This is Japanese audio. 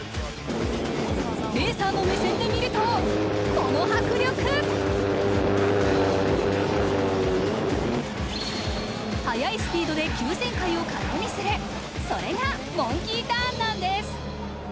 レーサーの目線で見ると、この迫力！速いスピードで急旋回を可能にする、それがモンキーターンなんです。